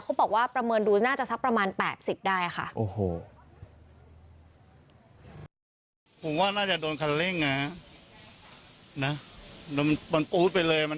บอกว่าประเมินดูน่าจะสักประมาณ๘๐ได้ค่ะ